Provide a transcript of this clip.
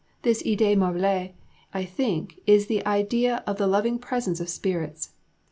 This idée merveilleuse, I think, is the idea of the loving presence of spirits.